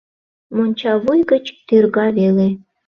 Монча вуй гыч тӱрга веле...